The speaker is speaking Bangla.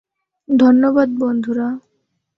ধন্যবাদ, বন্ধুরা।